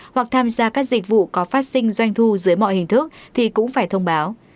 hoặc tham gia các dịch vụ có phát sinh doanh thu dưới mọi hình thức thì cũng phải thông báo